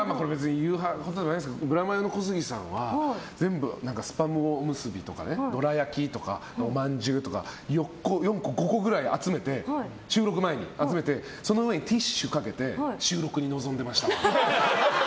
ブラマヨの小杉さんは全部スパムおむすびとかどら焼きとか、おまんじゅうとか４個５個ぐらい収録前に集めてティッシュかけて収録に臨んでました。